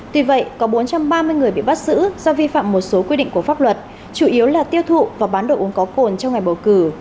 tuy vậy có bốn trăm ba mươi người bị bắt giữ do vi phạm một số quy định của pháp luật chủ yếu là tiêu thụ và bán đồ uống có cồn trong ngày bầu cử